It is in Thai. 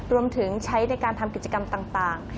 รวมถึงใช้ในการทำกิจกรรมต่าง